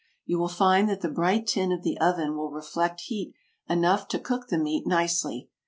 You will find that the bright tin of the oven will reflect heat enough to cook the meat nicely.